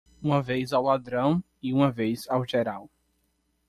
Uma vez ao ladrão? e uma vez ao geral.